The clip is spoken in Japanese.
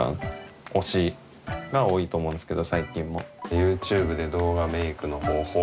ＹｏｕＴｕｂｅで動画メイクの方法みたいなＢＢ